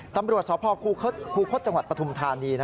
ตำรวจสพคูคศจังหวัดปฐุมธานี